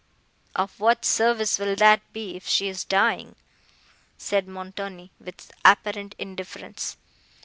"Of what service will that be, if she is dying?" said Montoni, with apparent indifference.